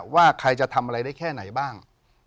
ว่าใครจะทำอะไรได้แค่ไหนบ้าง